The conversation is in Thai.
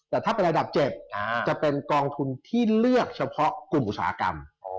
แต่ถ้าเป็นระดับ๗จะเป็นกองทุนที่เลือกเฉพาะกลุ่มอุตสาหกรรม